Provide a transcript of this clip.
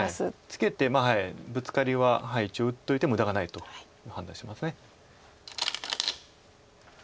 ツケてブツカリは一応打っといて無駄がないと判断してます。